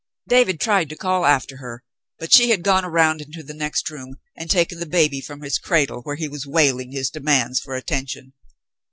David tried to call after her, but she had gone around into the next room and taken the baby from his cradle, where he was wailing his demands for attention.